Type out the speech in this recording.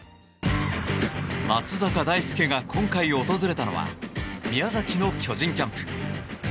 松坂大輔が今回訪れたのは宮崎の巨人キャンプ。